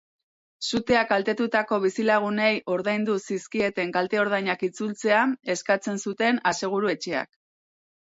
Suteak kaltetutako bizilagunei ordaindu zizkieten kalte-ordainak itzultzea eskatzen zuten aseguru-etxeak.